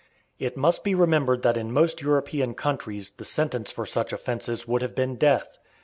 It must be remembered that in most European countries the sentence for such offences would have been death.